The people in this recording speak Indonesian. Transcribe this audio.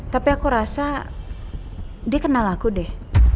tapi aku rasa dia kenal aku deh